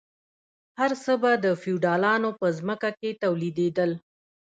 هر څه به د فیوډالانو په ځمکو کې تولیدیدل.